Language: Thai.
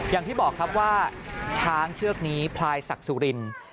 อย่างที่บอกครับว่าช้างเชือกนี้พลายศักดิ์สุรินทร์